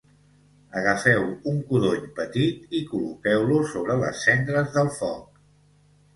Agafeu un codony petit i col·loqueu-lo sobre les cendres del foc